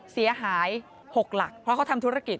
เสียหาย๖หลักเพราะเขาทำธุรกิจ